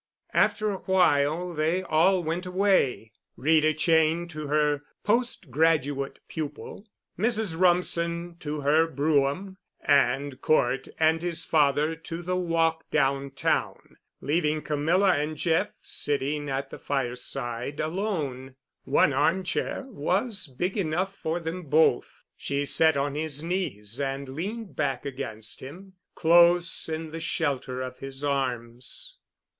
After a while they all went away—Rita Cheyne to her post graduate pupil, Mrs. Rumsen to her brougham, and Cort and his father to the walk downtown, leaving Camilla and Jeff sitting at the fireside alone. One armchair was big enough for them both. She sat on his knees and leaned back against him, close in the shelter of his arms.